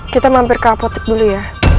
kita mampir ke apotek dulu ya